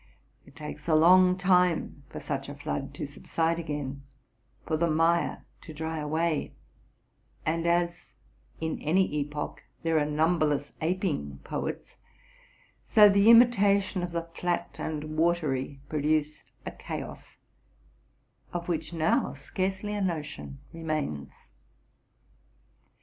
It takes a long time for such a flood to sub side again, for the mire to dry away; and as in any epoch there are numberless aping poets, so the imitation of the flat and watery produced a chaos, of which now scarcely a notion remains.